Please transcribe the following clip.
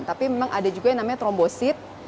tapi memang ada juga yang namanya trombosit